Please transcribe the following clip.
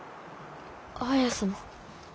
綾様。